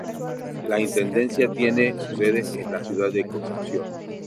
La intendencia tiene su sede en la ciudad de Concepción.